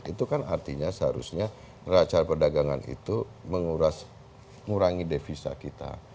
itu kan artinya seharusnya raca perdagangan itu mengurangi devisa kita